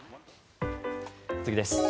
次です。